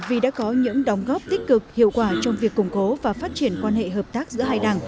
vì đã có những đóng góp tích cực hiệu quả trong việc củng cố và phát triển quan hệ hợp tác giữa hai đảng